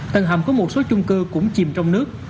tầng hầm có một số chung cư cũng chìm trong nước